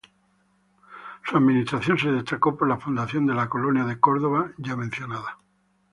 Su administración se destacó por la fundación de la colonia de Corduba, ya mencionada.